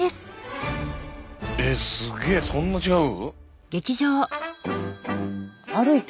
えっすげえそんな違う？